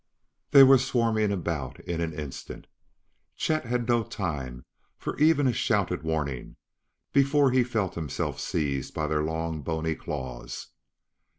They were swarming about in an instant. Chet had no time for even a shouted warning before he felt himself seized by their long, bony claws.